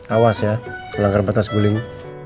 awas ya melanggar batas guling